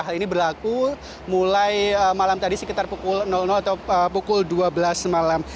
hal ini berlaku mulai malam tadi sekitar pukul atau pukul dua belas malam